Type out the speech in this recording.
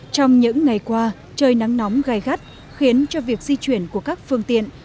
trong những ngày qua trời nắng nóng gai gắt khiến cho việc di chuyển của các phương tiện